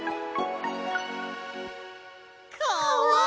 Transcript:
かわいい！